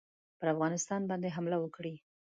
پر افغانستان باندي حمله وکړي.